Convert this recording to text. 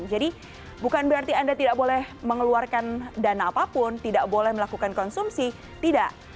jadi bukan berarti anda tidak boleh mengeluarkan dana apapun tidak boleh melakukan konsumsi tidak